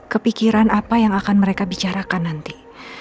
kepikiran apa yang akan mereka bicarakan nanti